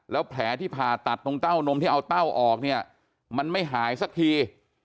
แล้วแผลที่ผ่าตัดตรงเต้านมที่เอาเต้าออกเนี่ยมันไม่หายสักที